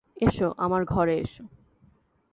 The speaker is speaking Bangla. এসো, আমার ঘরে এসো।